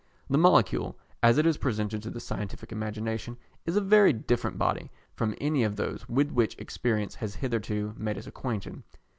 The molecule, as it is presented to the scientific imagination, is a very different body from any of those with which experience has hitherto made us acquainted.